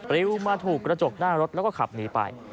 ริวมาถูกกระจกหน้ารถแล้วก็ขับหนีไป